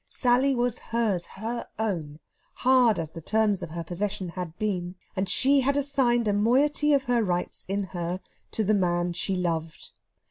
Sally was hers her own hard as the terms of her possession had been, and she had assigned a moiety of her rights in her to the man she loved.